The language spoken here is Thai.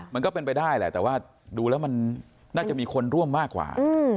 มันก็เป็นไปได้แหละแต่ว่าดูแล้วมันน่าจะมีคนร่วมมากกว่า